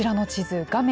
画面